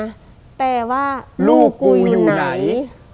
แต่ว่าลูกกูอยู่ไหน